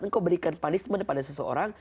engkau berikan punishment pada seseorang